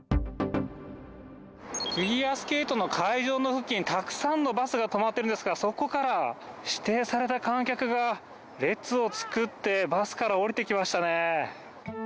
フィギュアスケートの会場の付近、たくさんのバスが止まってるんですが、そこから指定された観客が列を作ってバスから降りてきましたね。